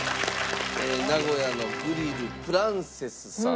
名古屋のグリルプランセスさん。